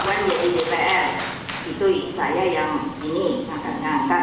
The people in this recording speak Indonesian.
pak puan jadi dpr itu saya yang ini ngangkat ngangkat